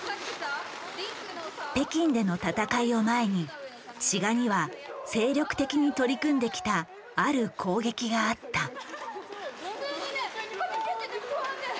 北京での戦いを前に志賀には精力的に取り組んできたある攻撃があった。